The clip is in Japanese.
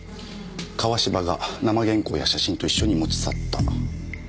川芝が生原稿や写真と一緒に持ち去った。